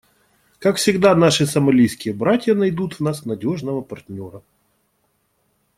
Как всегда, наши сомалийские братья найдут в нас надежного партнера.